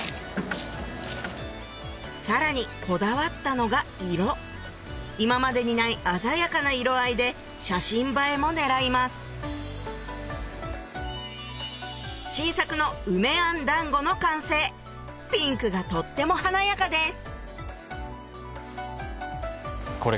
さらにこだわったのが色今までにない鮮やかな色合いで写真映えも狙いますの完成ピンクがとっても華やかです